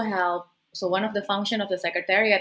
jadi salah satu fungsi sekretariat